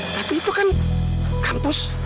tapi itu kan kampus